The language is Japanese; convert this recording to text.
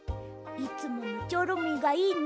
いつものチョロミーがいいね。